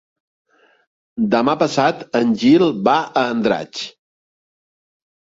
Demà passat en Gil va a Andratx.